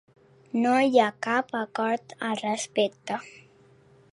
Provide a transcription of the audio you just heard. No hi ha cap acord al respecte.